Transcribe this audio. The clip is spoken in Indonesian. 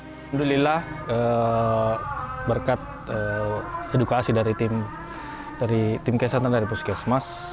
alhamdulillah berkat edukasi dari tim kesehatan dari puskesmas